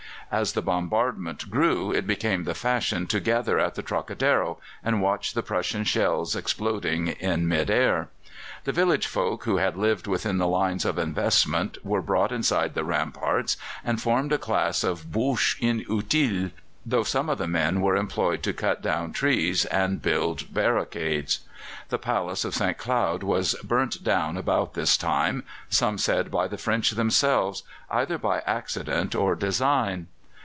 As the bombardment grew, it became the fashion to gather at the Trocadero, and watch the Prussian shells exploding in mid air. The village folk who had lived within the lines of investment were brought inside the ramparts, and formed a class of bouches inutiles, though some of the men were employed to cut down trees and build barricades. The Palace of St. Cloud was burnt down about this time some said by the French themselves, either by accident or design.